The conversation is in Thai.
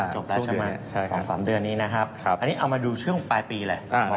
จบแล้วใช่ไหม๒๓เดือนนี้นะครับอันนี้เอามาดูช่วงปลายปีเลย